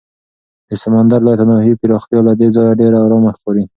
د سمندر لایتناهي پراختیا له دې ځایه ډېره ارامه ښکاري.